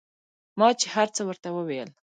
ما چې هرڅه ورته وويل.